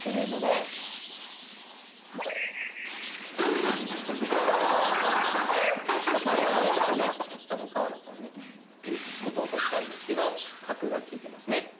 もし３三飛車とね多分川名さんね打とうとしたんですけど角が利いてますね。